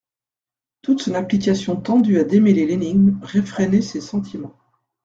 Toute son application tendue à démêler l'énigme, refrénait ses sentiments.